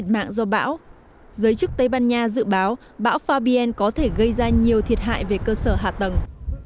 theo nhà dự báo bão fabian có thể gây ra nhiều thiệt hại về cơ sở hạ tầng